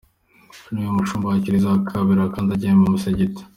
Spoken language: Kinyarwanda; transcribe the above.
Niwe mushumba wa Kiliziya wa kabiri wakandagiye mu musigiti.